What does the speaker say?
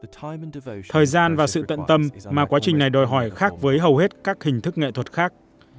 thời gian và sự tận tâm mà quá trình này đòi hỏi khác với hầu hết các hình thức nghệ thuật khác